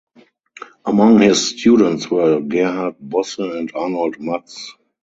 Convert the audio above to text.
Among his students were Gerhard Bosse and Arnold Matz.